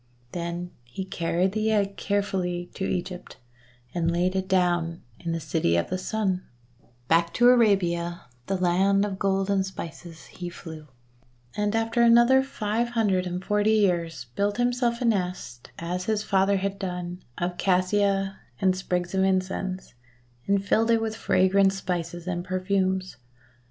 Then he carried the egg carefully to Egypt, and laid it down in the City of the Sun. 86 THE WONDER GARDEN Back to Arabia, the land of gold and spices, he flew, and after another five hundred and forty years built himself a nest, as his father had done, of Cassia and sprigs of Incense, and filled it with fragrant spices and perfumes.